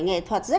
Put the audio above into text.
ngã đi chàng ơi